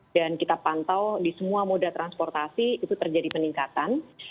dan kita pantau di semua moda transportasi itu terjadi peningkatan